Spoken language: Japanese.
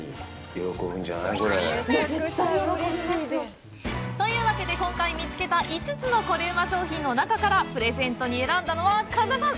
絶対に喜びますよ。というわけで、今回見つけた５つのコレうま商品の中からプレゼントに選んだのは神田さん！